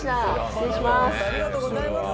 失礼します。